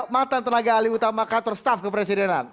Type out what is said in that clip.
matan tenaga ali utama katur staff kepresidenan